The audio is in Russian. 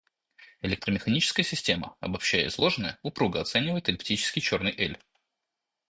Электромеханическая система, обобщая изложенное, упруго оценивает эллиптический черный эль.